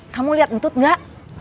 kamu liat entut gak